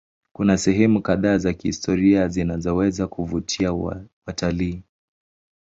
Kuna sehemu kadhaa za kihistoria zinazoweza kuvutia watalii.